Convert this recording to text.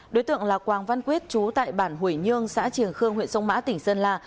đối tượng là quang văn quyết chú tại bản hủy nhương xã triềng khương huyện sông mã tỉnh sơn la